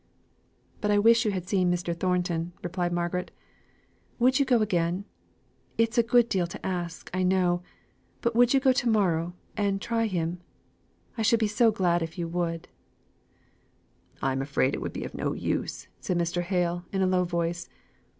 "But I wish you had seen Mr. Thornton," repeated Margaret. "Would you go again it's a good deal to ask, I know but would you go to morrow and try him? I should be so glad if you would." "I'm afraid it would be of no use," said Mr. Hale, in a low voice.